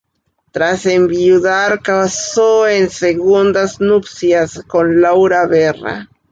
Tras enviudar, casó en segundas nupcias con Laura Berra.